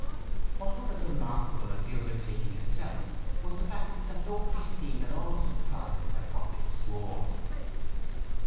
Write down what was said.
What was as remarkable as the undertaking itself was the fact that nobody seemed at all surprised at what they swore.